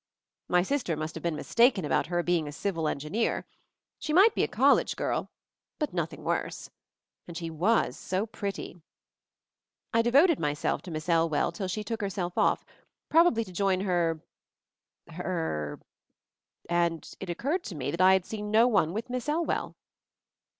My sister must have been mistaken about her being a civil engineer. She might be a college girl — but nothing worse. And she was so pretty! I devoted myself to Miss Elwell 'till she took herself off, probably to join her — her — it occurred to me that I had seen no one with Miss Elwell.